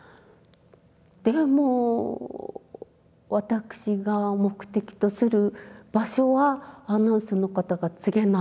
でも私が目的とする場所はアナウンスの方が告げない。